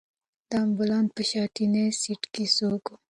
د امبولانس په شاتني سېټ کې څوک و؟